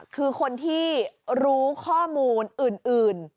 คือคนที่รู้ข้อมูลอื่น